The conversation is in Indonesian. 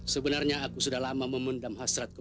sebenarnya aku sudah lama memendam hasratku